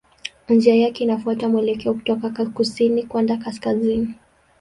Njia yake inafuata mwelekeo kutoka kusini kwenda kaskazini.